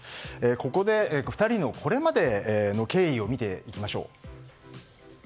ここで、２人のこれまでの経緯を見ていきましょう。